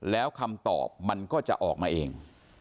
แล้วคำตอบมันก็จะออกมาเอง